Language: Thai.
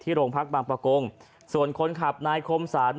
โรงพักบางประกงส่วนคนขับนายคมสรร